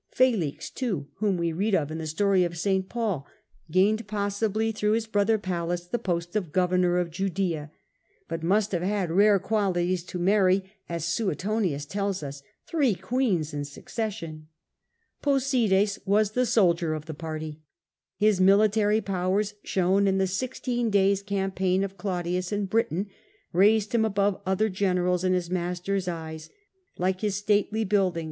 Felix, too, whom we read of in the story of St. Paul, gained, possibly through his brother Pallas, the post of governor of Judea, but must have had rare qua lities to marry, as Suetonius tells us, three queens in suc cession. Posides was the soldier of the party. Hismilitary powers, shown in the sixteen days campaign of Claudius in Britain, raised him above other generals in his master's eyes, like his stately buildings Callistus. Felix. Posides.